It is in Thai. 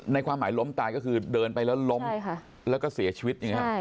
ความหมายล้มตายก็คือเดินไปแล้วล้มแล้วก็เสียชีวิตอย่างนี้